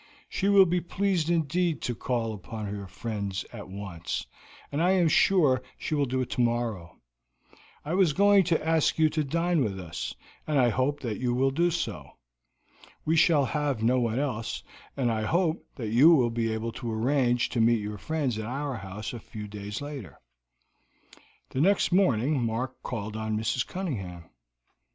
She will be pleased indeed to call upon your friends at once, and I am sure she will do so tomorrow. I was going to ask you to dine with us, and I hope that you will do so. We shall have no one else, and I hope that you will be able to arrange to meet your friends at our house a few days later." The next morning Mark called on Mrs. Cunningham.